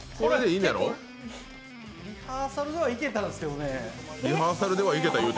リハーサルではいけたんですけどねえ。